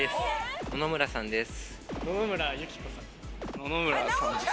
野々村さんです。